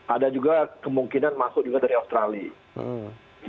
ada juga kemungkinan masuk juga dari australia